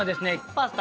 パスタ